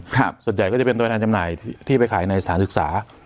ส่วนใหญ่ก็จะเป็นตัวแทนจำหน่ายที่ไปขายในสถานศึกษา